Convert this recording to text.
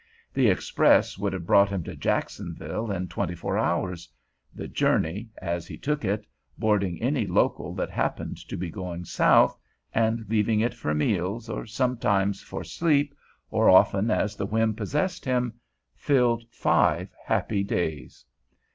The express would have brought him to Jacksonville in twenty four hours; the journey, as he took it, boarding any local that happened to be going south, and leaving it for meals or sometimes for sleep or often as the whim possessed him, filled five happy days.